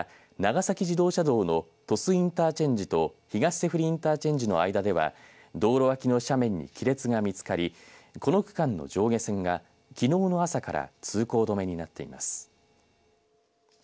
また長崎自動車道の鳥栖インターチェンジと東脊振インターチェンジの間では道路わきの斜面に亀裂が見つかりこの区間の上下線がきのうの朝から通行止めになっています。